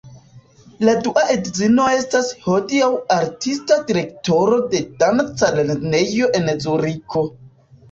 La dua edzino estas hodiaŭ artista direktoro de danca lernejo en Zuriko.